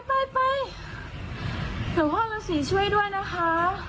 เดี๋ยวพ่อลาศีช่วยด้วยนะคะ